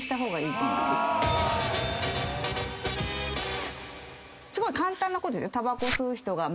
すごい簡単なこと。